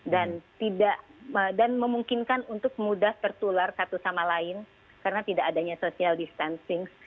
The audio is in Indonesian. dan memungkinkan untuk mudah tertular satu sama lain karena tidak adanya social distancing